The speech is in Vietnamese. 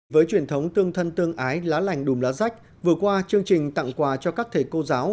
với truyền thống tương thân tương ái lá lành đùm lá rách vừa qua chương trình tặng quà cho các thầy cô giáo